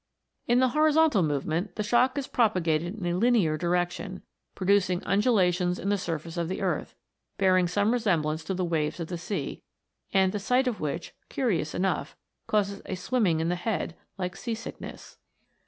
In the horizontal movement, the shock is propa gated in a linear direction, producing undulations in the surface of the earth, bearing some resemblance to the waves of the sea, and the sight of which, curious enough, causes a swimming in the head, like sea sickness.